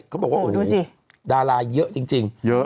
เขาบอกว่าโอ้โหดาราเยอะจริง